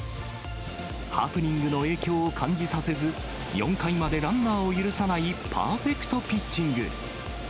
ハプニングの影響を感じさせず、４回までランナーを許さないパーフェクトピッチング。